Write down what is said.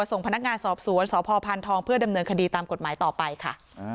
ส่งพนักงานสอบสวนสพพานทองเพื่อดำเนินคดีตามกฎหมายต่อไปค่ะ